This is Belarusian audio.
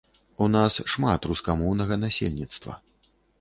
У нас шмат рускамоўнага насельніцтва.